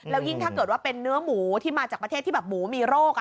แล้วยิ่งถ้าเกิดว่าเป็นเนื้อหมูที่มาจากประเทศที่แบบหมูมีโรค